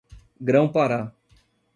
Grão-Pará